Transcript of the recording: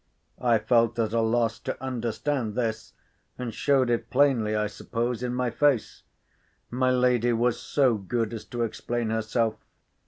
I felt at a loss to understand this, and showed it plainly, I suppose, in my face. My lady was so good as to explain herself.